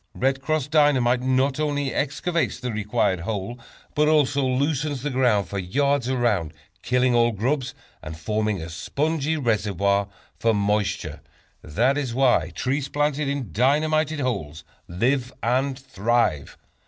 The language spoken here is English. "Red Cross" Dynamite not only excavates the required hole, but also loosens the ground for yards around, killing all grubs, and forming a spongy reservoir for moisture. That is why trees planted in dynamited holes live and thrive.